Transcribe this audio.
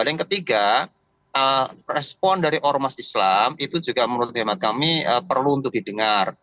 dan yang ketiga respon dari ormas islam itu juga menurut khidmat kami perlu untuk didengar